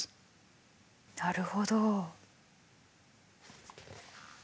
なるほど。